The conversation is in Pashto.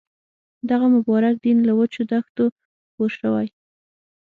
دغه مبارک دین له وچو دښتو خپور شوی.